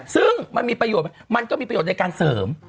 ซึ่งมันมีประโยชน์มันก็มีประโยชน์ในการเสริม